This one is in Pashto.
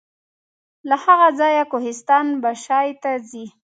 له هغه ځایه کوهستان بشای ته ځي.